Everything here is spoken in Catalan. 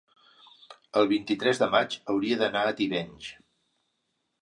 el vint-i-tres de maig hauria d'anar a Tivenys.